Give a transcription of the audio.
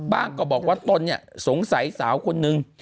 บ้างก็บอกว่าตอนนี้สงสัยสาวคนนึง